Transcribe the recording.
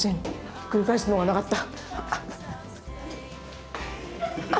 ひっくり返すのがなかった。